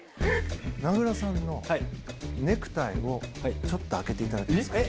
名倉さんのネクタイを、ちょっと上げていただけますか？